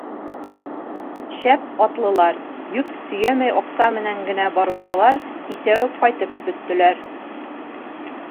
Шәп атлылар, йөк тейәмәй аҡса менән генә барыусылар кисә үк ҡайтып бөттөләр.